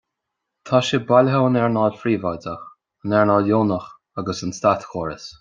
Tá sibh bailithe ón earnáíl phríobháideach, an earnáil dheonach agus an státchóras